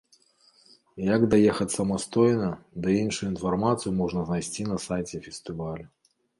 Як даехаць самастойна ды іншую інфармацыю можна знайсці на сайце фестывалю.